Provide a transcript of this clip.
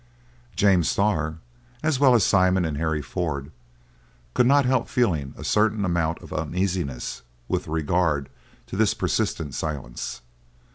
James Starr, as well as Simon and Harry Ford, could not help feeling a certain amount of uneasiness with regard to this persistent silence.